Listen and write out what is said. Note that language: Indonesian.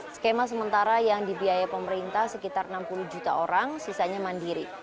skema sementara yang dibiaya pemerintah sekitar enam puluh juta orang sisanya mandiri